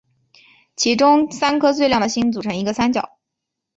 其中三颗最亮的星组成一个三角。